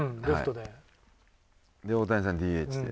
で大谷さんＤＨで。